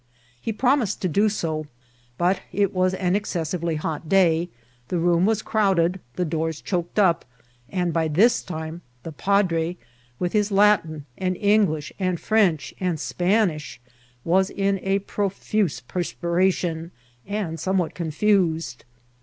He promised to do so ; but it was an excessively hot day ; the room was crowded, the doors choked up, and by this time the padre, with his Latin, and English, and French, and Spanish, was in a profuse perspiration^ and somewhat confused.